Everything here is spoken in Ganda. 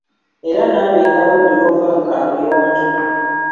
Era naaba engalo buli lw’ova mu kaabuyonjo.